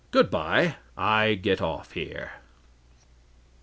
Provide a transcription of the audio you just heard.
Good by: I get off here."